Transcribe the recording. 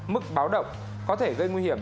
mức báo động có thể gây nguy hiểm